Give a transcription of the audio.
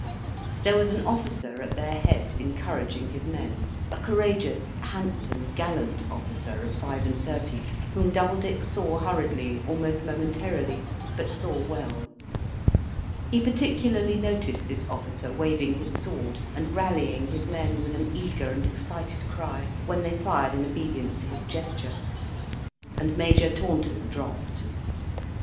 There was an officer at their head, encouraging his men, a courageous, handsome, gallant officer of five and thirty, whom Doubledick saw hurriedly, almost momentarily, but saw well. He particularly noticed this officer waving his sword, and rallying his men with an eager and excited cry, when they fired in obedience to his gesture, and Major Taunton dropped.